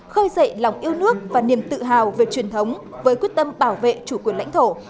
khơi dậy lòng yêu nước và niềm tự hào về truyền thống với quyết tâm bảo vệ chủ quyền lãnh thổ